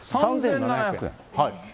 ３７００円。